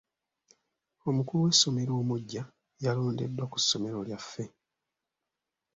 Omukulu w'essomero omuggya yalondeddwa ku ssomero lyaffe.